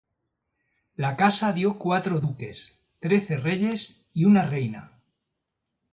La casa dio cuatro duques, trece reyes y una reina.